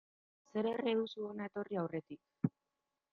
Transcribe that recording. Zer erre duzu hona etorri aurretik.